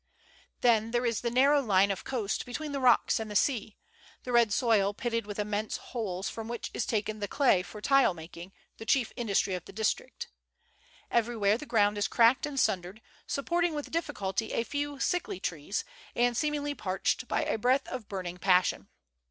Then there is the narrow line of coast between the rocks and the sea, the red soil pitted with immense holes, from which is taken the clay for tile making, the chief indus try of the district. Everywhere the ground is cracked and sundered, supporting with difficulty a few sickly trees, and seemingly parched by a breath of burning pas sion.